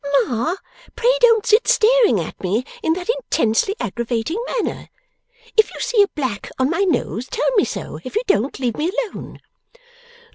'Ma, pray don't sit staring at me in that intensely aggravating manner! If you see a black on my nose, tell me so; if you don't, leave me alone.